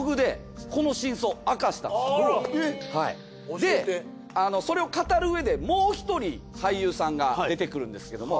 でそれを語るうえでもう１人俳優さんが出てくるんですけども。